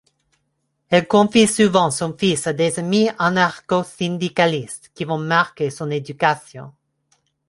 Elle confie souvent son fils à des amis anarcho-syndicalistes qui vont marquer son éducation.